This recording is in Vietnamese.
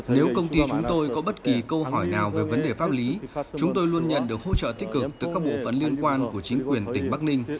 nếu công ty chúng tôi có bất kỳ câu hỏi nào về vấn đề pháp lý chúng tôi luôn nhận được hỗ trợ tích cực từ các bộ phận liên quan của chính quyền tỉnh bắc ninh